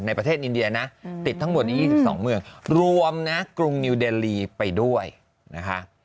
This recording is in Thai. ประเทศอินเดียนะติดทั้งหมด๒๒เมืองรวมนะกรุงนิวเดลีไปด้วยนะคะ